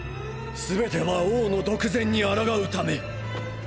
すべては王の独善に抗うため。